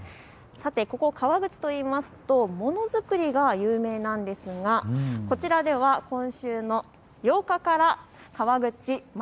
川口市といいますとものづくりが有名なんですが今週８日から川口ま